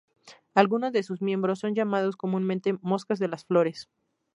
Algunos de sus miembros son llamados comúnmente moscas de las flores.